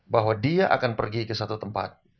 bahwa dia akan pergi ke satu tempat